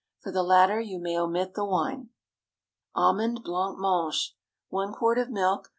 For the latter you may omit the wine. ALMOND BLANC MANGE. ✠ 1 quart of milk.